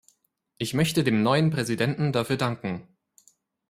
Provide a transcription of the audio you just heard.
Ich möchte dem neuen Präsidenten dafür danken.